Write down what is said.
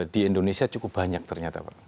di indonesia cukup banyak ternyata pak